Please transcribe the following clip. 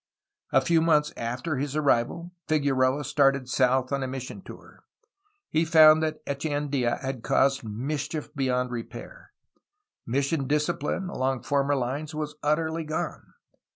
A few months after his arrival Figueroa started south on a mission tour. He found that Echeandia had caused mischief beyond repair. Mission discipline along former lines was utterly gone.